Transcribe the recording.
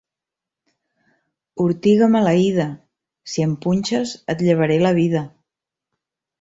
Ortiga maleïda: si em punxes et llevaré la vida.